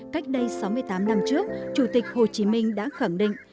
cách đây sáu mươi tám năm trước chủ tịch hồ chí minh đã khẳng định